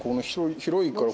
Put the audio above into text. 広いから。